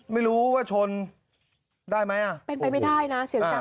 ไม่รู้ว่าชนได้ไหมอ่ะเป็นไปไม่ได้นะเสียงดัง